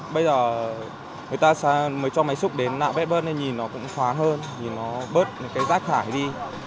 bây giờ người ta mới cho máy xúc đến nạo vét bớt nên nhìn nó cũng thoáng hơn vì nó bớt những cái rác thải đi